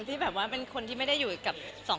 พี่กัลพาคุณพ่อคุณแม่เราไปหาพ่อแม่ที่อื่นไม่ยัง